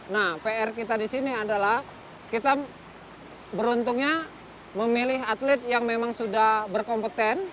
nah pr kita di sini adalah kita beruntungnya memilih atlet yang memang sudah berkompeten